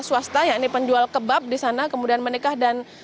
swasta yang dipenjual kebab di sana kemudian menikah dan